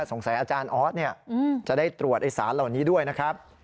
สงสัยอาจารย์อ๊อสเนี่ยจะได้ตรวจไยศาสตร์เหล่านี้ด้วยนะครับ